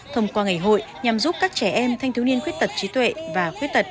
thông qua ngày hội nhằm giúp các trẻ em thanh thiếu niên khuyết tật trí tuệ và khuyết tật